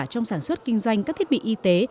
trong sản xuất kinh doanh các thiết bị y tế